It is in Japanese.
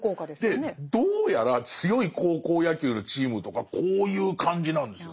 でどうやら強い高校野球のチームとかこういう感じなんですよ。